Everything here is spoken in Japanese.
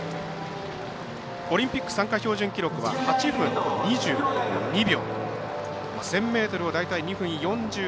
オリンピック参加標準記録は８分２２秒。